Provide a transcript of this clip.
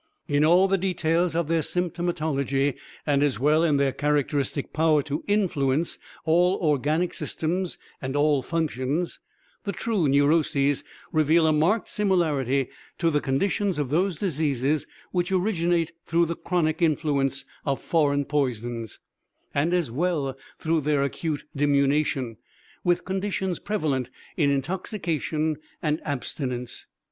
In all the details of their symptomatology, and as well in their characteristic power to influence all organic systems and all functions, the true neuroses reveal a marked similarity to the conditions of those diseases which originate through the chronic influence of foreign poisons and as well through their acute diminution; with conditions prevalent in intoxication and abstinence.